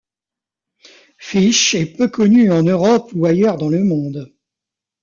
Phish est peu connu en Europe ou ailleurs dans le monde.